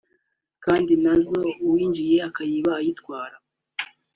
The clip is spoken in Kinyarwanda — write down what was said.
kandi na zo uwinjiye akayiba akayitwara